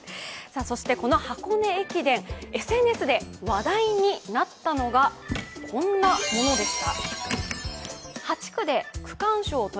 この箱根駅伝、ＳＮＳで話題になったのがこんなものでした。